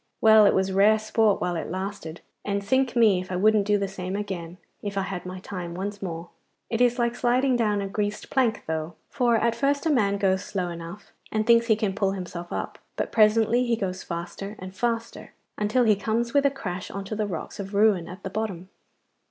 Well, it was rare sport while it lasted, and sink me if I wouldn't do the same again if I had my time once more. It is like sliding down a greased plank though, for at first a man goes slow enough, and thinks he can pull himself up, but presently he goes faster and faster, until he comes with a crash on to the rocks of ruin at the bottom.